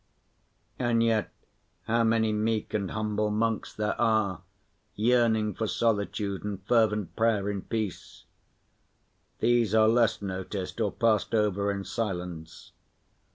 And yet how many meek and humble monks there are, yearning for solitude and fervent prayer in peace! These are less noticed, or passed over in silence.